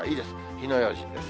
火の用心です。